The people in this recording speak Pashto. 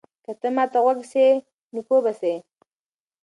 که ته ما ته غوږ سې نو پوه به سې.